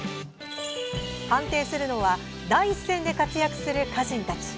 判定するのは第一線で活躍する歌人たち。